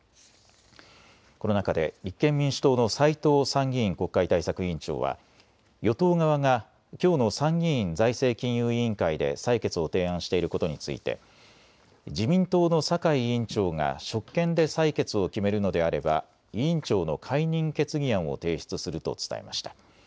この中で立憲民主党の斎藤参議院国会対策委員長は与党側がきょうの参議院財政金融委員会で採決を提案していることについて自民党の酒井委員長が職権で採決を決めるのであれば委員長の解任決議案を提出すると伝えました。